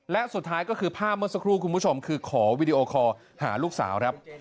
และสุดท้ายก็คือภาพเมื่อสักครู่คุณผู้ชมคือขอวีดีโอคอลหาลูกสาวครับ